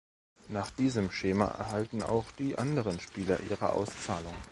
Nach diesem Schema erhalten auch die anderen Spieler ihre Auszahlung.